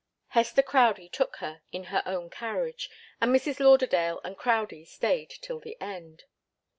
Hester Crowdie took her, in her own carriage; and Mrs. Lauderdale and Crowdie stayed till the end.